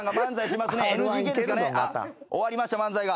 終わりました漫才が。